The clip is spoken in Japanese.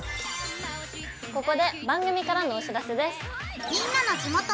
ここで番組からのお知らせです。